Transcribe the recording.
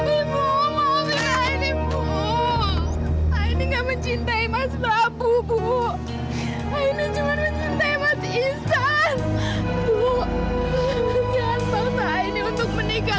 ibu ibu ini enggak mencintai mas prabu bu ini cuma mencintai masih isan bu bu ini untuk menikah